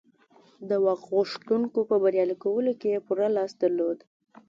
د واک غوښتونکو په بریالي کولو کې یې پوره لاس درلود